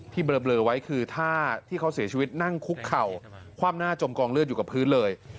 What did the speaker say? เบลอไว้คือท่าที่เขาเสียชีวิตนั่งคุกเข่าคว่ำหน้าจมกองเลือดอยู่กับพื้นเลย